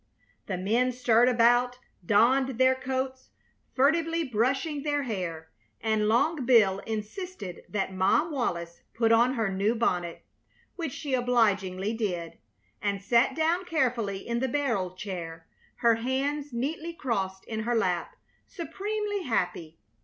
The men stirred about, donned their coats, furtively brushing their hair, and Long Bill insisted that Mom Wallis put on her new bonnet; which she obligingly did, and sat down carefully in the barrel chair, her hands neatly crossed in her lap, supremely happy.